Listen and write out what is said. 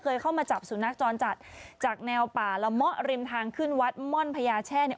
เคยเข้ามาจับสุนัขจรจัดจากแนวป่าละเมาะริมทางขึ้นวัดม่อนพญาแช่เนี่ย